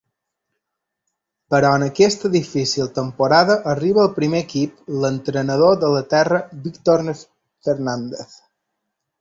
Però en aquesta difícil temporada arriba al primer equip l'entrenador de la terra Víctor Fernández.